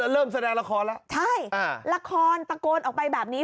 เริ่มแสดงละครแล้วใช่ละครตะโกนออกไปแบบนี้